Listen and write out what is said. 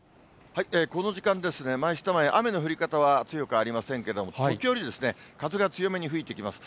この時間ですね、マイスタ前、雨の降り方は強くありませんけども、時折、風が強めに吹いてきます。